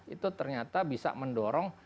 itu ternyata bisa mendorong